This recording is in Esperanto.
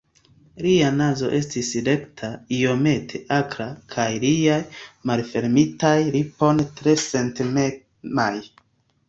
Lia nazo estis rekta, iomete akra kaj liaj malfermitaj lipoj tre sentemaj.